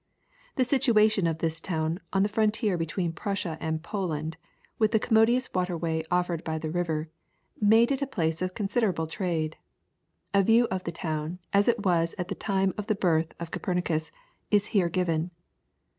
The situation of this town on the frontier between Prussia and Poland, with the commodious waterway offered by the river, made it a place of considerable trade. A view of the town, as it was at the time of the birth of Copernicus, is here given.